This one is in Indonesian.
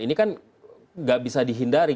ini kan nggak bisa dihindari